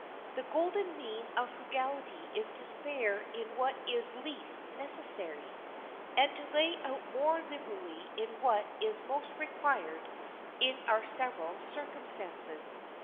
The golden mean of frugality is to spare in what is least necessary, and to lay out more liberally in what is most required in our several circumstances.